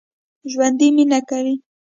ژوندي مېنه کوي